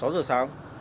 sáu giờ sáng